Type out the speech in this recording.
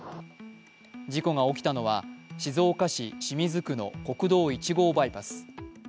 事故が起きたのは静岡市清水区の国道１号バイパス。